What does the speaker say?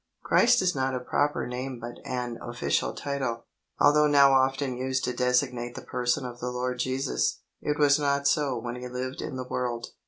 Christ is not a proper name but an official title. Although now often used to designate the person of the Lord Jesus, it was not so when He lived in the world.